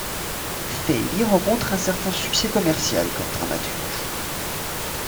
Fealy rencontre un certain succès commercial comme dramaturge.